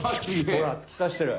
ほらつき刺してる！